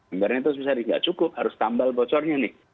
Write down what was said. embernya itu semestinya tidak cukup harus tambal bocornya nih